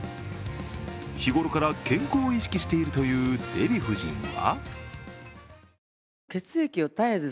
日頃から健康を意識しているというデヴィ夫人は？